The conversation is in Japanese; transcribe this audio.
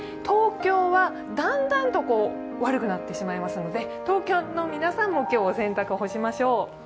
東京はだんだんと悪くなってしまいますので、東京の皆さん、今日お洗濯物干しましょう。